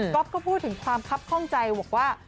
ก็พูดถึงความคับข้องใจบอกว่า